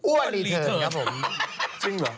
อ้วนรีเทอร์นครับผม